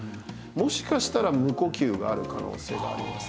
もしかしたら無呼吸がある可能性がありますね。